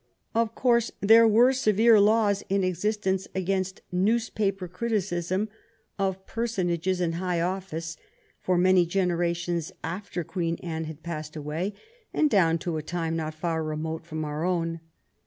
Of course there were severe laws in existence against newspaper criticism of personages in high office for many generations after Queen Anne had passed away and down to a time not far remote from our own.